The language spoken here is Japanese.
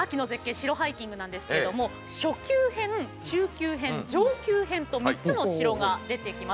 城ハイキング」なんですけども初級編中級編上級編と３つの城が出てきます。